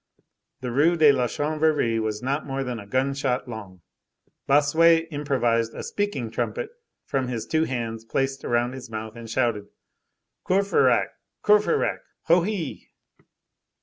The Rue de la Chanvrerie was not more than a gunshot long. Bossuet improvised a speaking trumpet from his two hands placed around his mouth, and shouted:— "Courfeyrac! Courfeyrac! Hohée!"